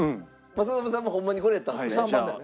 政伸さんもホンマにこれやったんですね？